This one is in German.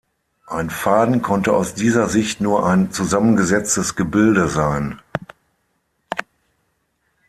Ein Faden konnte aus dieser Sicht nur ein zusammengesetztes Gebilde sein.